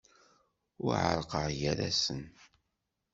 Ur ɛerrqeɣ gar-asen.